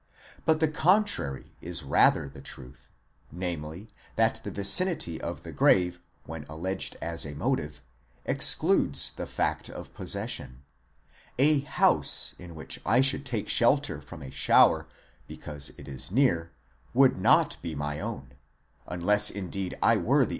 45 But the contrary is rather the truth: namely, that the vicinity of the grave when alleged as a motive, excludes the fact of possession: a house in which I should take shelter from a shower, because it is near, would not be my own ; unless indeed I were the owner of 18 Comp.